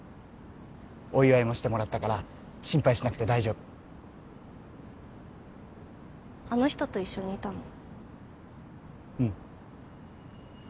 お祝いもしてもらったから心配しなくて大丈夫あの人と一緒にいたの？